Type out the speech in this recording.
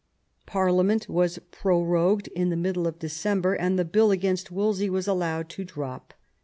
Parliament was prorogued in the middle of December, and the Bill against Wolsey was allowed to drop.